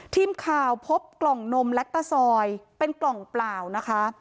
ทีมข่าวพบกล่องนมแล็กตาซอยเป็นกล่องเปล่านะคะ